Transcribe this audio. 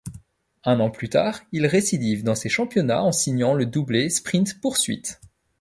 Un an plus tard, il récidive dans ces championnats en signant le doublé sprint-poursuite.